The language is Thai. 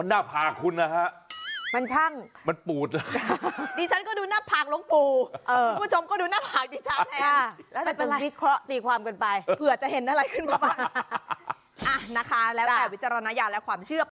น่าถ้านะคะแล้วแต่วิจารณญาณและความเชื่อ